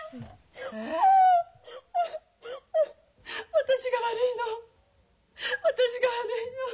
私が悪いの私が悪いの。